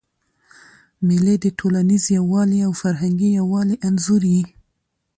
مېلې د ټولنیز یووالي او فرهنګي یووالي انځور يي.